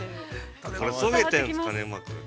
◆これ、そげてんすかね、うまく。